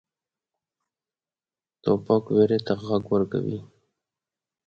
توپک ویرې ته غږ ورکوي.